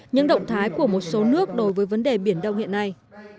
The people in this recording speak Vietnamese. những động thái của một số nước đối với vấn đề biển đông hiện nay